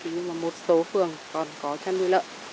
nhưng mà một số phường còn có chăn nuôi lợn